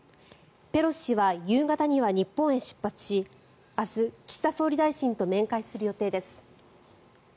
ペロシ氏は夕方には日本へ出発し明日、岸田総理大臣と面会する予定です。